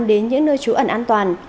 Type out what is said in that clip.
đến những nơi trú ẩn an toàn